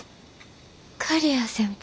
刈谷先輩？